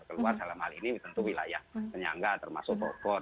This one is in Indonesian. keluar dalam hal ini tentu wilayah penyangga termasuk bogor